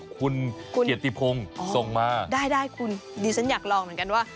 คุณเกียรติพงศ์ส่งมาได้ได้คุณดิฉันอยากลองเหมือนกันว่า